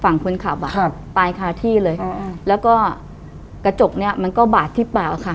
ฝั่งคนขับอ่ะครับตายคาที่เลยอ่าแล้วก็กระจกเนี้ยมันก็บาดที่เปล่าค่ะ